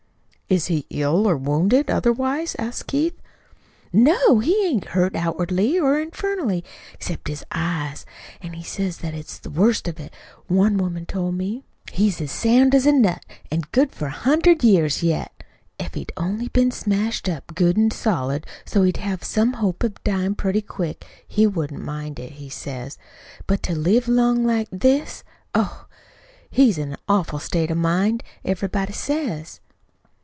"Is he ill or wounded otherwise?" asked Keith. "No, he ain't hurt outwardly or infernally, except his eyes, an' he says that's the worst of it, one woman told me. He's as sound as a nut, an' good for a hundred years yet. If he'd only been smashed up good an' solid, so's he'd have some hope of dyin' pretty quick, he wouldn't mind it, he says. But to live along like this ! oh, he's in an awful state of mind, everybody says."